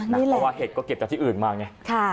เพราะว่าเห็ดก็เก็บจากที่อื่นมาไง